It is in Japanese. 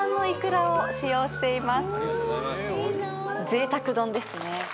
ぜいたく丼ですね。